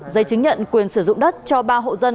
giấy chứng nhận quyền sử dụng đất cho ba hộ dân